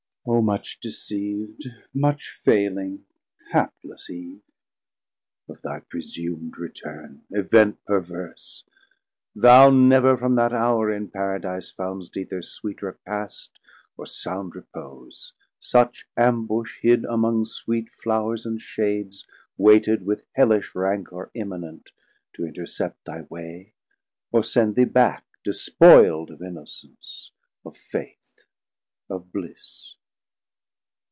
O much deceav'd, much failing, hapless Eve, Of thy presum'd return! event perverse! Thou never from that houre in Paradise Foundst either sweet repast, or sound repose; Such ambush hid among sweet Flours and Shades Waited with hellish rancor imminent To intercept thy way, or send thee back 410 Despoild of Innocence, of Faith, of Bliss.